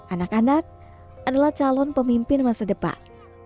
anak anak adalah calon pemimpin masa depan